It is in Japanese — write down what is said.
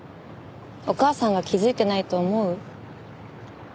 お母さんが気づいてないと思う？